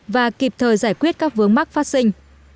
và kịp thời giải quyết các vướng mắc phát sinh